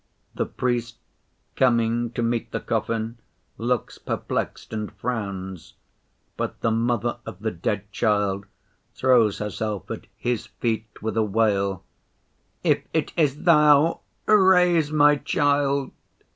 The priest, coming to meet the coffin, looks perplexed, and frowns, but the mother of the dead child throws herself at His feet with a wail. 'If it is Thou, raise my child!